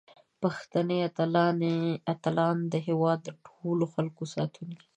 پښتني اتلان د هیواد د ټولو خلکو ساتونکي دي.